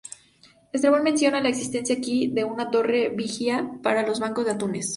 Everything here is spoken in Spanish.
Estrabón menciona la existencia aquí de una torre vigía para los bancos de atunes.